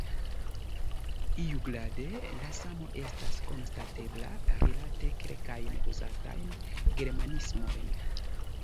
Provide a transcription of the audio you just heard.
Iugrade la samo estas konstatebla rilate kelkajn uzatajn germanismojn.